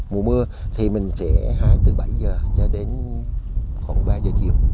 mùa mưa thì mình sẽ hái từ bảy h cho đến khoảng ba h chiều